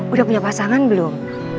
udah punya pasangan belum